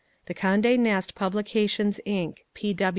The Conde Nast Publications, Inc.